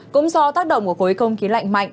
cũng do tác động của khối không khí lạnh mạnh